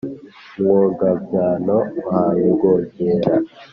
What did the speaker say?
umwogabyano ahaye rwogera